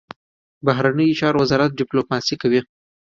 بهرنیو چارو وزارت ډیپلوماسي کوي